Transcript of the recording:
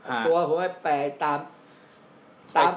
เอาตัวผมไปตาม